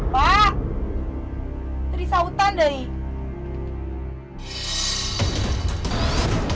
pak risautan deh